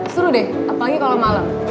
seru deh apalagi kalau malam